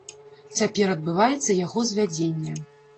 Цяпер адбываецца яго звядзенне.